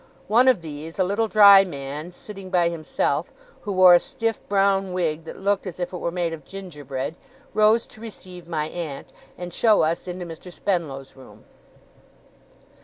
One of these, a little dry man, sitting by himself, who wore a stiff brown wig that looked as if it were made of gingerbread, rose to receive my aunt, and show us into Mr. Spenlow's room.